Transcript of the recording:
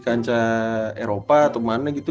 kanca eropa atau mana gitu